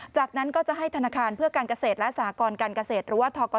จากนั้นก็จะให้ธนาคารเพื่อการเกษตรและสหกรการเกษตรหรือว่าทก